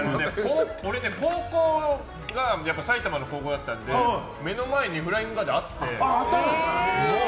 俺ね、高校が埼玉の高校だったので目の前にフライングガーデンあって。